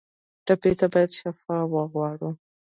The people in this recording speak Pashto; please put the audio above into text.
ټپي ته باید شفا وغواړو.